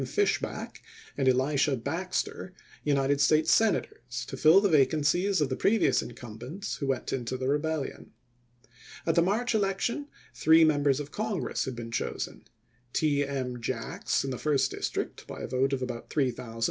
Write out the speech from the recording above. Fishback and Elisha Baxter United States Senators, to fill the vacancies of the previous in cumbents, who went into the Rebellion. At the March election three Members of Congress had been chosen : T. M. Jacks in the first district, by a vote of about 3000 ; A.